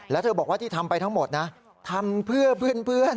แล้วเธอบอกว่าที่ทำไปทั้งหมดนะทำเพื่อเพื่อน